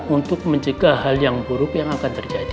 untuk mencegah hal yang buruk yang akan terjadi